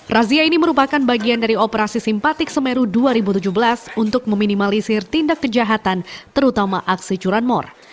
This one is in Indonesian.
razia ini merupakan bagian dari operasi simpatik semeru dua ribu tujuh belas untuk meminimalisir tindak kejahatan terutama aksi curanmor